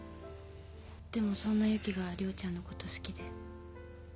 でもそんな由紀が涼ちゃんのこと好きで。